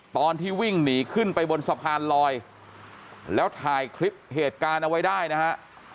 ตอนที่วิ่งหนีขึ้นไปบนสะพานลอยแล้วถ่ายคลิปเหตุการณ์เอาไว้ได้นะฮะ